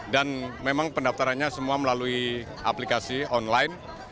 memang pendaftarannya semua melalui aplikasi online